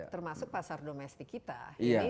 termasuk pasar domestik kita